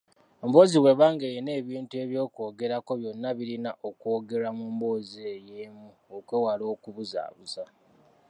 Emboozi bweba ng'erina ebintu eby’okwogerako byonna birina okwogerwa mu mboozi eyo emu okwewala okubuzaabuza.